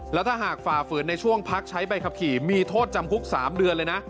แล้วถ้าหากฝ่าฝืนในช่วงพักใช้ใบขับขี่มีโทษจำคุก๓เดือนเลยนะ